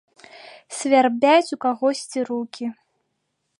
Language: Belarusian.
Свярбяць у кагосьці рукі.